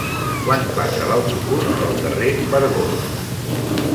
Quan passa l'autobús pel carrer Vergós?